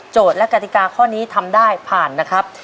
และกติกาข้อนี้ทำได้ผ่านนะครับ